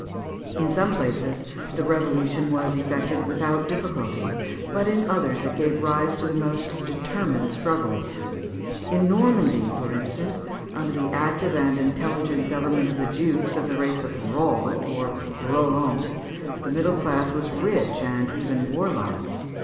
In some places, the revolution was effected without difficulty, but in others it gave rise to the most determined struggles. In Normandy, for instance, under the active and intelligent government of the dukes of the race of Roll or Rollon, the middle class was rich and even warlike.